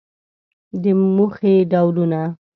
د موخې ډولونه